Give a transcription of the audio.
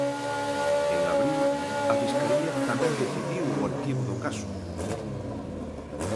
En abril a Fiscalía tamén decidiu o arquivo do caso.